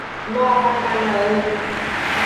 Nova Canaã